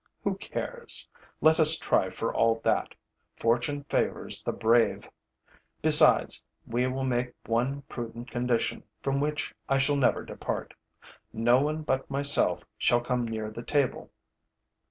Who cares? Let us try for all that: fortune favors the brave! Besides, we will make one prudent condition, from which I shall never depart: no one but myself shall come near the table.